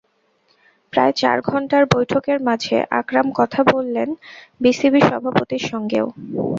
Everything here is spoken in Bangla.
প্রায় চার ঘণ্টার বৈঠকের মাঝে আকরাম কথা বললেন বিসিবি সভাপতির সঙ্গেও।